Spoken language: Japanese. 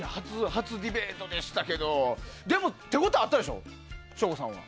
初ディベートでしたけど手応えあったでしょ、省吾さんは。